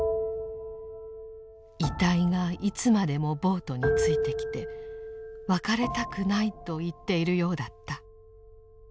「遺体がいつまでもボートについてきて別れたくないと言っているようだった」。